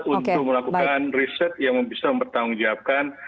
untuk melakukan riset yang bisa mempertanggungjawabkan